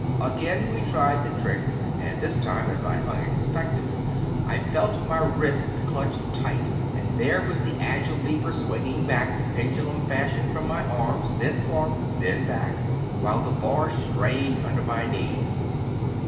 Again we tried the trick, and this time, as I hung expectant, I felt my wrists clutched tight, and there was the agile leaper swinging back, pendulum fashion, from my arms, then forward, then back, while the bar strained under my knees.